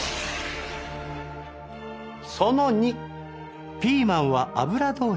その２ピーマンは油通し。